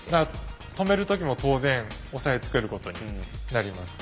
止める時も当然押さえつけることになります。